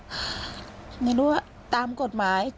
แต่มันถือปืนมันไม่รู้นะแต่ตอนหลังมันจะยิงอะไรหรือเปล่าเราก็ไม่รู้นะ